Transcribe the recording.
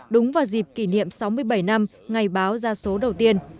đúng vào dịp kỷ niệm sáu mươi bảy năm ngày báo ra số đầu tiên